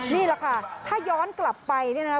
นี่แหละค่ะถ้าย้อนกลับไปเนี่ยนะคะ